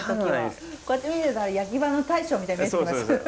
こうやって見てると焼き場の大将みたいに見えてきます。